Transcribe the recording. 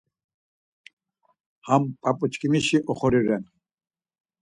Ham p̌ap̌uçkimişi oxori ren.